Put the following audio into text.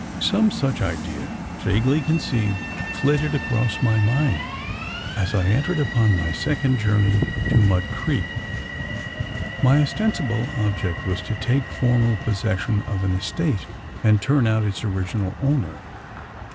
Some such idea, vaguely conceived, flitted across my mind, as I entered upon my second journey to Mud Creek. My ostensible object was to take formal possession of an estate, and turn out its original owner.